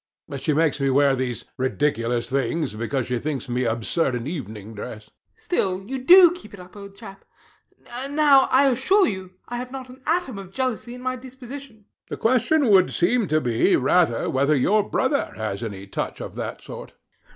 She makes me wear these ridiculous things [indicating his Arab costume] because she thinks me absurd in evening dress. RANDALL. Still, you do keep it up, old chap. Now, I assure you I have not an atom of jealousy in my disposition. HECTOR. The question would seem to be rather whether your brother has any touch of that sort.